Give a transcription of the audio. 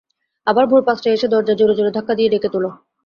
আবার ভোর পাঁচটায় এসে দরজায় জোরে জোরে ধাক্কা দিয়ে ডেকে তোলে।